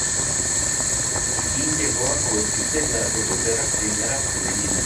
Allí llegó a convertirse en la reportera primera femenina.